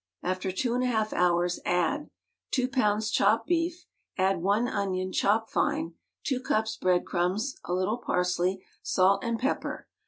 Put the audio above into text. After two and a half hours add: Two pounds chopped beef ; add one onion, chopped fine, two cups bread crumbs, a little parsley, salt and pepper.